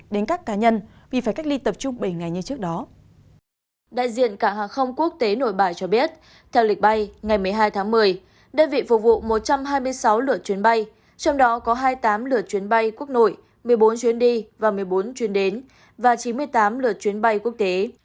đây vị phục vụ một trăm hai mươi sáu lượt chuyến bay trong đó có hai mươi tám lượt chuyến bay quốc nội một mươi bốn chuyến đi và một mươi bốn chuyến đến và chín mươi tám lượt chuyến bay quốc tế